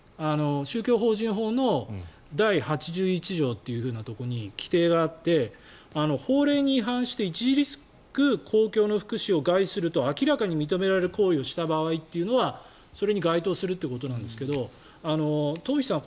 宗教法人法の第８１条というところに規定があって法令に違反して著しく公共の福祉を害すると明らかに認められる行為をした場合というのはそれに該当するってことですがトンフィさん